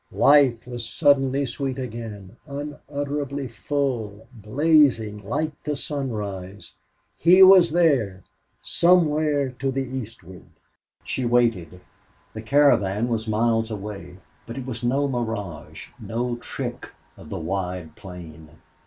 Life was suddenly sweet again, unutterably full, blazing like the sunrise. He was there somewhere to the eastward. She waited. The caravan was miles away. But it was no mirage, no trick of the wide plain!